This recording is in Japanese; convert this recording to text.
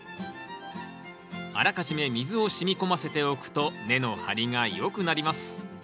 あらかじめ水を染み込ませておくと根の張りがよくなります